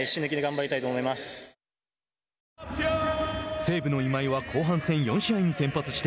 西武の今井は後半戦４試合に先発して